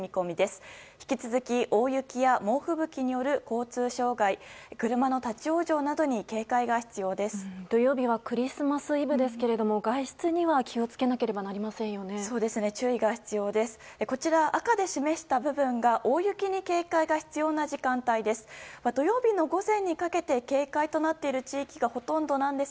こちら、赤で示した部分が大雪に警戒が必要な時間帯です。